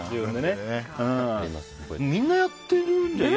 みんなやってるんじゃない？